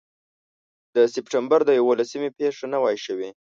د سپټمبر د یوولسمې پېښه نه وای شوې.